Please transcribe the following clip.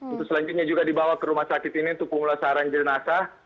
untuk selanjutnya juga dibawa ke rumah sakit ini untuk pemulasaran jenazah